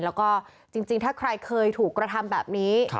แล้วก็จริงถ้าใครเคยถูกกระทำแบบนี้